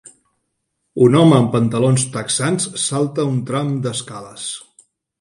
Un home amb pantalons texans salta un tram d'escales.